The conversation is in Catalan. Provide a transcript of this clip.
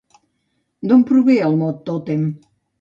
D'on prové el mot tòtem?